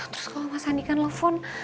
terus kalau mas andika nelfon